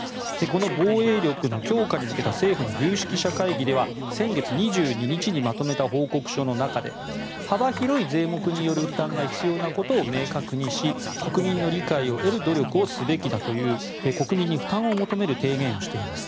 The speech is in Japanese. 防衛力の強化に向けた政府の有識者会議では先月２２日にまとめた報告書の中で幅広い税目による負担が必要になることを明確にし国民の理解を得る努力をすべきだという国民に負担を求める提言をしています。